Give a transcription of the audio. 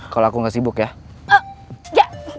kalau aku nggak sibuk ya